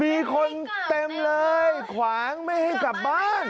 มีคนเต็มเลยขวางไม่ให้กลับบ้าน